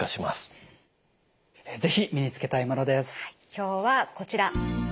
今日はこちら。